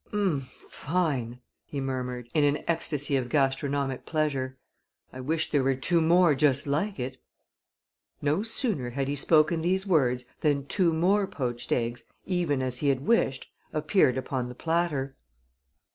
"Fine!" he murmured, in an ecstasy of gastronomic pleasure. "I wish there were two more just like it!" No sooner had he spoken these words than two more poached eggs, even as he had wished, appeared upon the platter.